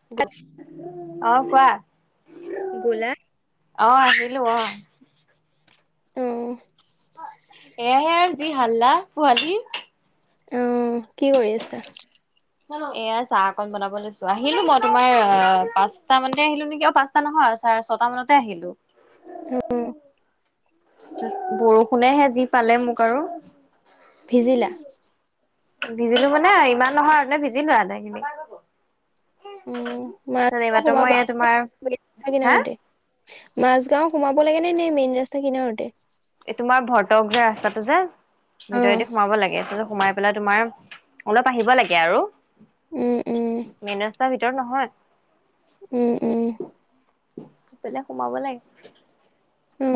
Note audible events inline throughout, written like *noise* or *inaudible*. ট। অ' কোৱা। গ'লা? অ' আহিলো অ'। উম। এয়াহে যি হাল্লা, পোৱালি। উম, উম কি কৰি আছা? এয়া চাহ অকন বনাব লৈছো, আহিলো মই তোমাৰ এ পাঁচটা মানতে আহিলো নেকি, অ পাছ টা নহয়, চাৰে ছটা মানতে আহিলো। উম উম্। বৰষুণেহে যি পালে মোক আৰু, ভিজিলা? ভিজিলো মানে ইমান নহয় আৰু, এনে ভিজিলো আধাখিনি। উম, তে মাজগাঁও এইমাত্ৰ সোমাব মই এ তোমাৰ, হা? মাজগাও সোমাব লাগে নে, নে মেইন ৰাস্তা কিনাৰতে? এই তোমাৰ ভৰটক যে ৰাস্তাটো যে, অ', ভিতৰেদি সোমাব লাগে। সেইফালে সোমাই মানে তোমাৰ, অলপ আহিব লাগে আৰু, উম, উম, মেইন ৰাস্তাৰ ভিতৰত নহয়। উম উম। ইফালে সোমাব লাগে,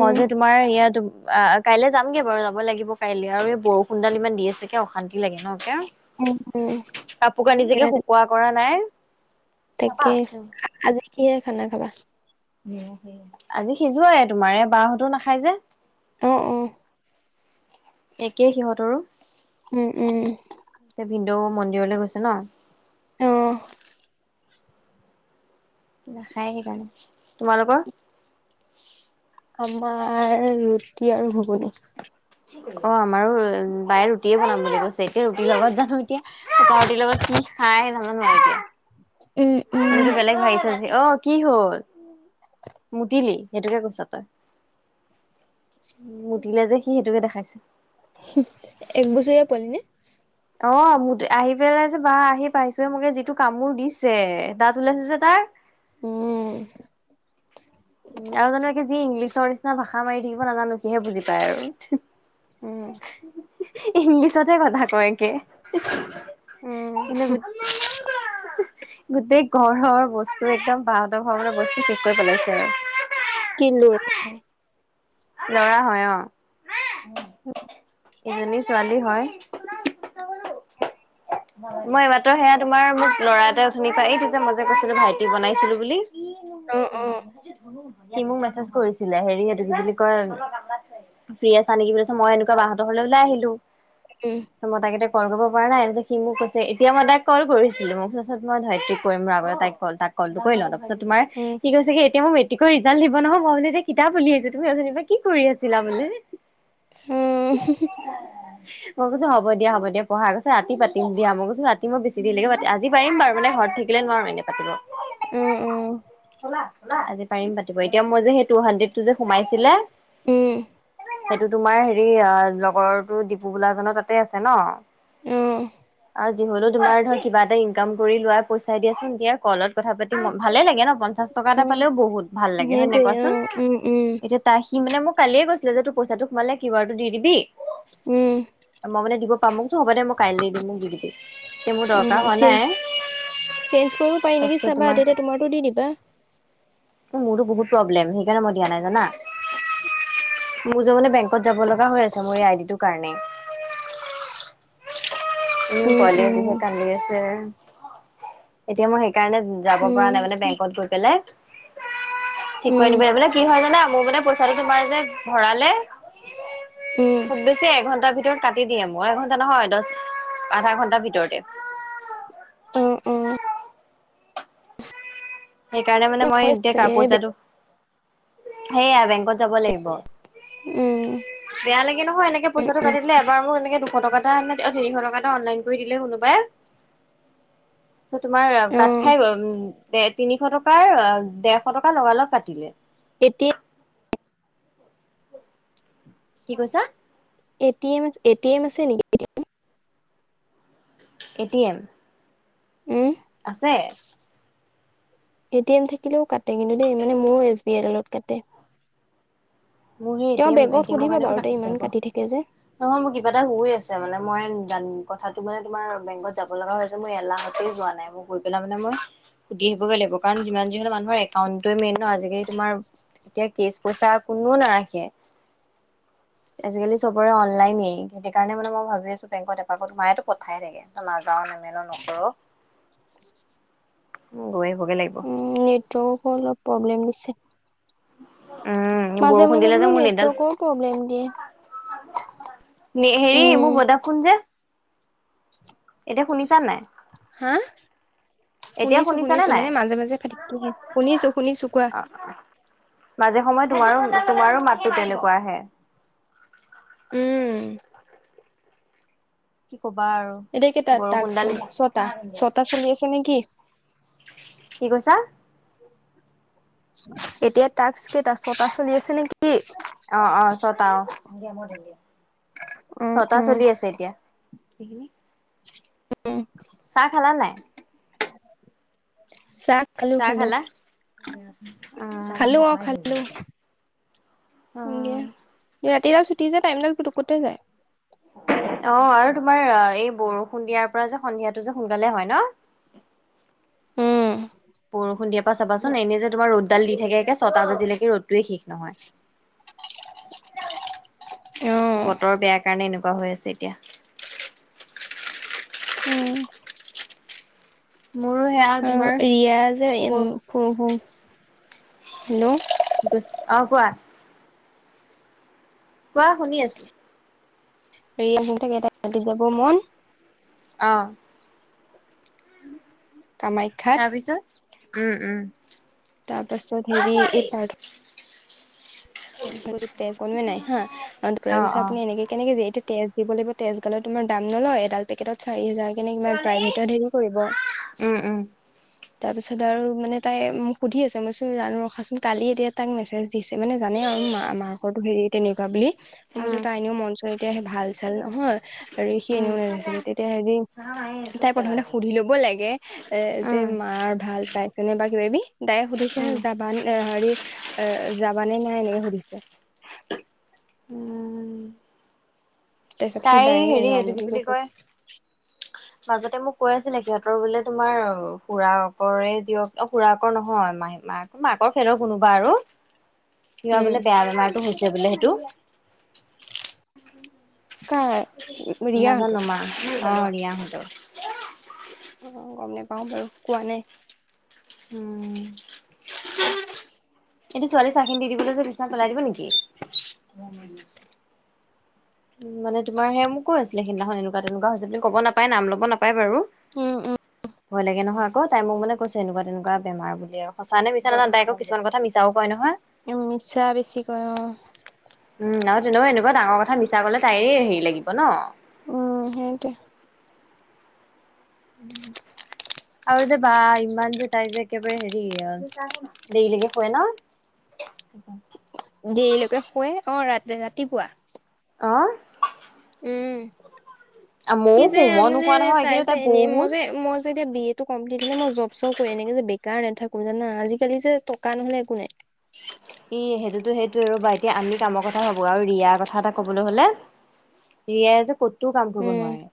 মই যে তোমাৰ ইয়াতো আ আ, কাইলে যামগে বাৰু যাব লাগিব কাইলে আৰু এই বৰষুণডাল ইমান দি আছে কে অশান্তি লাগে ন কে? উম, উম, কাপোৰ কানি যেকে শুকোৱা কৰা নাই। চাবা? তাকে। আজি কিহেৰে খানা খাবা? আজি সিজোৱায়ে তোমাৰ, এ বাহতো নাখাই যে। অ অ। একেই সিহঁতৰো। উম উম উম। এ ভিনদেউ মন্দিৰলৈ গৈছে ন, অহ। নাখায় সেইকাৰণে। তোমালোকৰ? আমাৰ ৰুটি আৰু ঘুগুনি। অ আমাৰো বায়ে ৰুটিয়ে বনাম বুলি কৈছে। এতিয়া ৰুটিৰ লগত জানো এতিয়া শুকান ৰুটিৰ লগত কি খায় নাজানো এতিয়া। উম উম। আমিতো বেলেগ ভাবি থৈছোঁ। অ কি হল? মুতিলি? সেইটোকে কৈছ তই। মুতিলে যে সি সেইটোকে দেখাইছে। হুহ এক বছৰীয়া পোৱালিনে। অ মুতে আহি পেলাই যে বা আহি পাইছো মোকে যিটো কামোৰ দিছে দাত ওলাইছে যে তাৰ। উম। উম আৰু জানো কি যি ইংলিছৰ নিচিনা ভাষা মাৰি থাকিব নাজানো সিহে বুজি পায় আৰু। উম, ইংলিছতে কথা কয় একে। উম, এনে *unintelligible* গোটেই ঘৰৰ বস্তু একদম বাঁহতৰ ঘৰৰ বস্তু শেষ কৰি পেলাইছে আৰু। কিনলো। লৰা হয় অ। *inaudible* এজনী ছোৱালী হয়। মই এই মাত্ৰ সেয়া তোমাৰ মোক ল'ৰা এটাই অঠনি পা এইটো যে মই যে কৈছিলো ভাইটি বনাইছিলো বুলি। অ', অ', সি মোক মেছেজ কৰিছিলে হেৰি এইটো কি বুলি কয়। ফ্ৰী আছা নেকি বুলি কৈছো মই এনেকুৱা বা' হতৰ ঘৰলৈ ওলাই আহিলো। উম। তো মতা কেইটায়ে কল কৰিব পৰা নাই আজি। সি মোক কৈছে এতিয়া মই তাইক কল কৰিছিলো মোক তাৰ পাছত মই ধৰিত্ৰী কৰিম মোৰ আগতে তাইক কল তাক। কলটো কৰি লওঁ তাৰপিছত তোমাৰ উম। সি কৈছে কি এতিয়া মই। মেটিকৰ ৰিজাল্ট দিব নহয় মই বো কিতাপ উলিয়াইছো তুমি অথনিৰ পৰা কি কৰি আছিলা বোলে। উম হুহু। মই কৈছ হ'ব দিয়া হ'ব দিয়া পঢ়া কৈছে ৰাতি পাতি। দিয়া মই কচোন ৰাতি মই বছি দেৰিলেকে পাতি আজি পাৰিম বাৰু এনেই ঘৰত থাকিলে নোৱাৰো এনে। *inaudible* অ', অ', পাৰি পাতিব এতিয়া মই যে সেই টু হাড্ৰেড টো যে সোমাইছিলে। উম। সেইটো তোমাৰ হেৰি অ লগৰটো ডিপু বোলাজনৰ তাতে আছে ন। উম। আৰু যিহলেও তোমাৰ ধৰ কিবা এটা ইনকাম কৰি লোৱা পইচায় দিয়াচোন এতিয়া কলত কথা পাতি ল ভালে লাগে ন অকন। পঞ্চাছ টকা অ'। এটা পালেও বহুত ভাল লাগে হয় নে নাই সেইটোয়ে কোৱাচোন অ', উম, উম, এতিয়া। তাৰ সি মানে মোক কালিয়ে কৈছিলে যে তোৰ পইচাটো সোমালে কিউ আৰটো দি দিবি। উম। মই মানে দিব পাম মই কৈছো হ'ব দে মই কাইলৈ দিম মোক দি দিবি এতিয়া মোৰ উম, দৰকাৰ হোৱা চেঞ্জ নাই। চেঞ্জ কৰিব পাৰি নেকি তাৰপিছত চাবা তোমাৰ তেতিয়া তোমাৰতো দি দিবা। মোৰো বহুত প্ৰব্লেম সেইকাৰণে ম দিয়া নাই জানা। মোৰ যে মানে বেংকত যাব লগা হৈ আছে মোৰ এই আই ডি তোৰ কাৰণে। উ উম, পোৱালি উম, যিহে কান্দি আছে এতিয়া মই সেইকাৰণে। যাব পৰা উম, নাই মানে বেংকত গৈ পেলাই ঠিক কৈ উম, আনিবলে মানে কি হয় জানা মোৰ মানে। তোমাৰ যে ভৰালে। উম। খুব বেছি এঘণ্টাৰ ভিতৰত কাটি দিয়ে মই এঘণ্টা নহয় দহ। আধা ঘণ্টাৰ ভিতৰতে। উম উম। সেইকাৰণে মানে মই হয় এতিয়া কাৰ চাগে পইচাটো সেইয়া বেংকত যাব লাগিব। উম। বেয়া লাগে নহয় এনেকে উম, পইছাটো উম, কাটিদিলে এবাৰ মোৰ এনেকে দুশ টকা এটা অ তিৰিশ টকা এটা অনলাইন। দিলে কোনোবাই তোমাৰ কাত অ', খাই গ'ল। তিনিশ টকাৰ ডেৰশ টকা লগালগ কাটিলে। এতিত কি কৈছা। A T M A T M আছে নেকি। A T M. উম। আছে *inaudible* এ টি এম থাকিলেও কাটে কিন্তু দেই মানে মোৰ এছ বি আই দালত কাটে। মোৰ এ তেওঁৰ টি এম এ বেংকত টি এমৰ সুধিবা কাৰণেটো বাৰু দেই কাটিছে ইমান আক। কাটি থাকে যে। নহয় মোৰ কিবা এটা হৈ আছে মানে মই কথাটো মানে তোমাৰ বেংকত যাব লগা হৈ হৈছে। মই এলাহতে যোৱা নাই মই গৈ পেলাই মানে মই। সুধি আহিবগৈ লাগিব কাৰণ যিমান যি হলেও মানুহৰ একাউণ্ট মেইন ন আজিকালি তোমাৰ এতিয়া কেচ পইচা কোনো নাৰাখে। আজিকালি চবৰে অনলাইনে সেই কাৰণে মানে মই ভাবি আছো বেংক এপাক মায়েতো পথাই থাকে। নাজাও নেমেলো নকৰোঁ গৈ আহিবগে লাগিব। উম! নেটৱৰ্ক অলপ প্ৰব্লেম দিছে। উম মাজে বৰষুণ মাজে দিলে যে বোলো মোৰ নেটডাল নেটৱৰ্কও প্ৰব্লেম দিয়ে। হেৰি মোৰ উম, ভদা ফোন যে। এতিয়া শুনিছা নাই। হা এতিয়া শুনিছোঁ শুনিছানে শুনিছোঁ নাই মানে মাজে মাজে কাটি দিয়ে শুনিছোঁ শুনিছোঁ কোৱা। অ মাজে সময়ে তোমাৰো তোমাৰো মাতটো তেনেকুৱা আহে। উম। ক'বা আৰু। এতিয়া কেইটা তাত তাকচ বৰষুণডাল ছতা ছতা চলি আছে নেকি। কি কৈছা। এতিয়া তাকচ। কেইটা ছয়টা চলি আছে নেকি। অ অ ছটা অ উম ছটা উম চলি আছে এতিয়া। উম চাহ খালা নাই। চাহ খালো চাহ খালো খালা। খালো অ খালো অ সন্ধিয়া। ৰাতিডাল চুটি যে টাইম দাল পোটোকতে যায়। অ আৰু তোমাৰ এই বৰষুণ দিয়া পৰা যে সন্ধিয়াটো যে সোনকালে হয় ন। উম বৰষুণ দিয়াৰ পৰা চাবাচোন এনেই যে তোমাৰ ৰ'দডাল দি থাকে একে ছটা বাজিলৈকে ৰ'দটোৱে শেষ নহয়। *unintelligible* অ বতৰ বেয়া কাৰণে এনেকুৱা হৈ আছে এতিয়া। উম! মোৰো সেয়া আৰু তোমাৰ ইয়াৰ য়ে অ হেল্ল' *unintelligible* অ কোৱা? কোৱা, শুনি আছো। হেৰি *unintelligible* মই অ। কামাখ্যাত। তাপিছত। উম, উম। তা পাছত হেৰি এ পাৰ *unintelligible* কোনোৱে নাই হা। *unintelligible* অ কৈছে অ আপুনি এনেকে কেনেকে দিয়ে? এইটো তেজ দিব লাগিব তেজ গ'লে তোমাৰ দাম নলয়। এডাল পেকেটত চাৰি হাজাৰ কেনে কিমান? প্ৰাইভেটত ধে পৰিব। উম উম তাৰপিছত আৰু মানে তাই মোক সুধি আছে। মই চোন জানো ৰখাচোন কালি এতিয়া তাক মেছেজ দিছে। মানে জানেই আও মা মাকৰতো হেৰি তেনেকুৱা বুলি। মই উম কৈছো তাৰ এনেও মন চন এতিয়া সে ভাল চাল নহয় আৰু সি উম এনেও নাথাকে। তেতিয়া হেৰি তাই প্ৰথমতে সুধি ল'ব লাগে। এ যে উম মাৰ ভাল পাইছেনে বা কিবা কিবি। দাই সুধিছে হে জাবা *unintelligible* হেৰি এ, যাবা নে নাই? এনেকে সুধিছে। উম। তাৰপিছত সি তাইৰ ডাইৰেক্ট হেৰি নাযাওঁ এইটো কি বুলি কৈছে কয়? মাজতে মোক কৈ আছিলে। সিহঁতৰ বোলে তোমাৰ খুৰাকৰে জীয়ক অ খুৰাকৰ নহয় *unintelligible* মাক। মাকৰ ফেলৰ কোনোবা আৰু। কিবা উম বোলে বেয়া বেমাৰটো হৈছে বোলে সেইটো। কাৰ? নাজানো ৰিয়াহঁতৰ মা অ ৰিয়াহঁতৰ। অ, গম নেপাওঁ বাৰু কোৱা নাই। হুম। *inaudible* এইটো ছোৱালী চাহখিনি দি দিবলৈ যে বিছনাত পেলাই দিব নেকি? উম, মানে তোমাৰ সে মোকো আছিল সেইদিনাখন এনেকুৱা তেনেকুৱা হৈছে বুলি। কব নাপায় নাম ল'ব নাপায় বাৰু। উম ভয় লাগে নহয় *unintelligible* তাই মোক মানে কৈছে এনেকুৱা তেনেকুৱা বেমাৰ বুলি আও। সঁচানে মিছা নাজানো। তাই আকৌ কিছুমান কথা মিছাও কয় নহয়। উম, মিছা বেছি কয় অ। উম আৰু তেনেকুৱা এনেকুৱা ডাঙৰ কথা মিছা কলে তাইয়ে হেৰি লাগিব ন। উম, সেটোৱে। *unintelligible* আৰু যে বা ইমান যে তাই যে একেবাৰে হেৰি আ দেৰিলৈকে শুৱে ন? *unintelligible* দেৰিলৈকে শুৱে অ ৰা ৰাতিপুৱা। অঁ। উম, কি ময়ো যে শু মই মানে নোশুৱা নহয় তাই কিন্তু যে এনে মই বহুত যে মই যেতিয়া বি টো কমপ্লিট হলে মই জব চব কৰি এনেকে যে বেকাৰ নাথাকো জানা। আজিকালি যে টকা নহলে একো নাই। ই সেইটোতো সেইটোৱে ৰ'বা, এতিয়া আমি কামৰ কথা ভাবো আৰু ৰিয়াৰ কথা এটা কবলৈ হলে। ৰিয়াই যে ক'তো কাম কৰিব উম নোৱাৰে।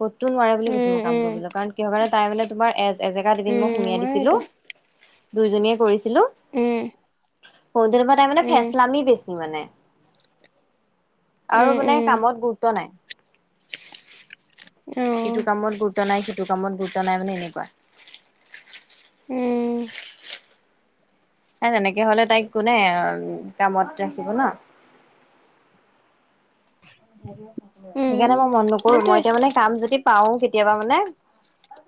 ক'তো নোৱাৰে বুলি কৈছো উম মই কাম উম কৰিবলে কাৰণ কিহৰ কাৰণে, তাই মানে তোমাৰ এ এজেগাত এদিন মই উম সুমিয়াই দিছিলো। এইটো দুইজনীয়ে কৰিছিলো। উম। *unintelligible* তাই মানে উম ফেচলামি বেছি মানে। আৰু উম মানে উম কামত গুৰুত্ব নাই। অ ইটো কামত গুৰুত্ব নাই সিটো কামত গুৰুত্ব নাই মানে এনেকুৱা উম ন তেনেকে হলে তাইক কোনে কামত ৰাখিব ন সেইকাৰণে উম মই মন নকৰো সেইটোৱে মই এতিয়া মানে কাম যদি পাও কেতিয়াবা মানে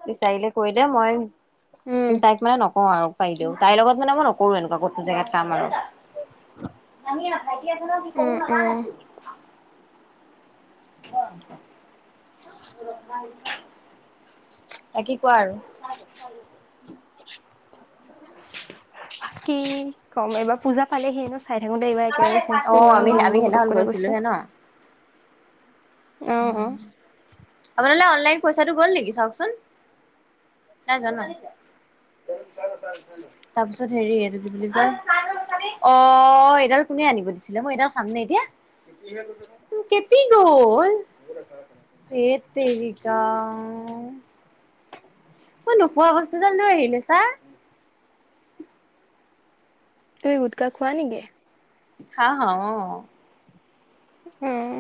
বিচাৰিলে কৰি দে মই উম তাইক মানে নকওঁ আৰু পাইলেও তাইৰ লগত মানে মই নকৰো এনেকুৱা কতো জেগাত কাম আৰু আমি ভাইটি আছ ন কি উম কৰো নকা নে উম তোৰ অ *unintelligible* হয় ত কি কোৱা আৰু কি কম এইবাৰ পূজা পালেহিয়ে ন চাই থাকোতে এইবাৰ একেলগে অ চাইছিলো ইমান আমি আমি দিনবোৰ সেইদিনাখন পুটুকটৃকে গৈছে গৈছিলোহে ন আহ অ বনে অনলাইন পইচাটো গ'ল নেকি চাওকচোন নাইজোৱা ন ত চা চা তাৰপিছত হেৰি এইটো কি বুলি কয় অ এইডাল কোনে আনিব দিছিলে মই এইডাল খামনে এতিয়া ত কেতি গ'ল এ তেৰিকা মই নোখোৱা বস্তুডাল লৈ আহিলে ছা তুমি গোটকা খোৱা নেকি খাও অ উম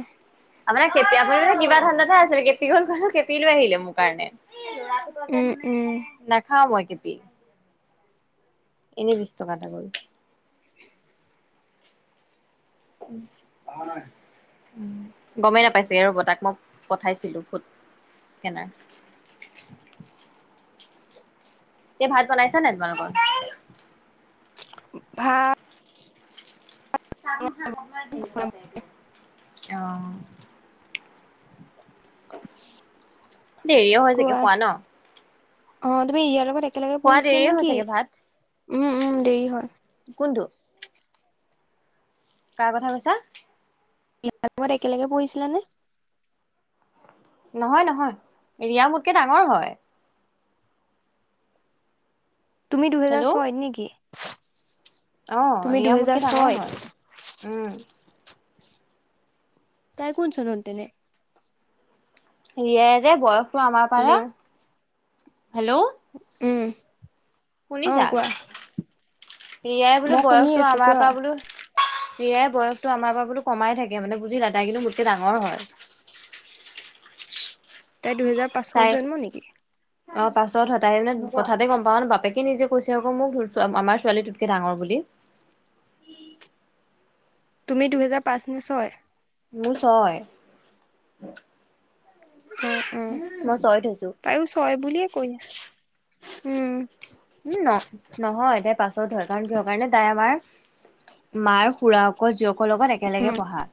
আন কেপি আপুনিন কিবা ঠানণ্ডাতেে আছিলে কেপীখন ক কেপী লৈ আহিলে মোৰ কাৰণে লৰা যে উম মানে উম নাখাও মই কেপি এনেই বিছ টকা এটা গল উ ভ নাই গমেই নাপাইছেগে ৰ'ব তাক মই পঠাইছিলো ফুত কেনে তে ভাত বনাইছা নাই তোমালোকৰ ভা চাহ অ *unintelligible* দেৰিয়ো হয় চাগে কোৱা খোৱা ন অ তুমি ইয়াৰ লগত একেলগে খোৱা পঢ়িছিলা দেৰিয়ে হয় নেকি চাগে ভাত, উম উম দেৰি হয় কোনটো কাৰ কথা কৈছা ইয়াৰ লগত একেলগে পঢ়িছিলা নে নহয় নহয় ৰিয়া মোতকে ডাঙৰ হয় তুমি দুহেজাৰ হেল্ল', ছয়ত নেকি অ তুমি ৰিয়া দুহেজাৰ মোটকে ডাঙৰ ছয়ত হয় উম তাই কোন চনত তেনে ৰীয়ায় যে বয়সটো আমাৰ হেল্ল' পাৰে হেল্ল' উম অ শুনিছা কোৱা ৰিয়াই বোলো মই শুনি বয়সতো আছো আমাৰ কোৱা পৰা বোলো হিয়াই বয়সটো আমাৰ পৰা বোলোঁ কমাই থাকে। মানে, বুজিলা! তাই কিন্তু, মোতকে ডাঙৰ হয়। তাই দুহেজাৰ পাঁচত তাই জন্ম নেকি? অ'! পাঁচত হয়। তাই মানে, কথাতে গম পাওঁ ন'! বাপেকে নিজে কৈছে, আকৌ মোক, আমাৰ ছোৱালী তোতকে ডাঙৰ বুলি। তুমি দুহেজাৰ পাঁচ নে ছয়? মোৰ ছয়। উম, উম! মই ছয়ত হৈছো। তাইয়ো ছয় বুলিয়ে কৈ, উম। উম, ন' নহয়, তাই পাঁচত হয়। কাৰণ, কিহৰ কাৰণে, তাই আমাৰ মাৰ খুড়াকৰ জীয়েকৰ লগত উম একেলগে পঢ়া।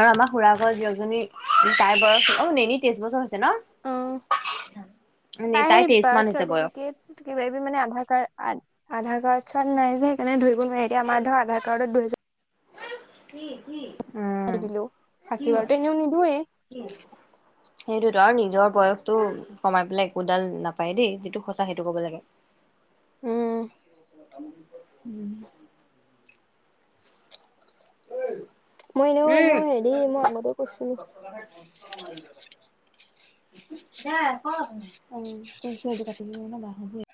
আৰু আমাৰ খুড়াকৰ যিজনী তাই বয়স। অ'! নেনি তেইছ বছৰ হৈছে ন'? অ'! তাই তাইৰ তেইশ মান বাৰ্থ হৈছে বয়স। চাৰ্টিফিকেট কিবা-কিবি মানে, আধাৰ কাৰ্ড আধাৰ কাৰ্ড- চাৰ্ড নাই যে, সেইকাৰণে ধৰিব নোৱাৰে। এতিয়া, আমাৰ ধৰ, আধাৰ কাৰ্ডত ধৰিছে। কি, কি? *unintelligible* দিলোঁ। *unintelligible* এনেও নিদোৱে। সেইটোৱেতো! আৰু নিজৰ বয়সটো কমাই পেলাই, একোডাল নাপায় দেই! যিটো সঁচা, সেইটো ক'ব লাগে। *unintelligible* উম! *unintelligible* মই এনেও, মই সেৰি, মই আগতে কৈছোঁ। *unintelligible* *unintelligible* *unintelligible*